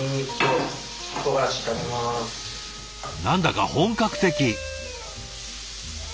何だか本格的。